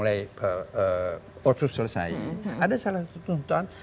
ada salah satu tuntutan